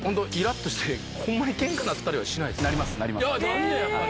なんねややっぱり！